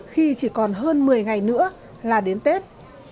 khi chỉ còn hơn một mươi ngày nữa là đến tết